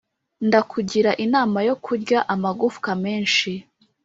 Ndakugira inama yo kurya amagufwa menshi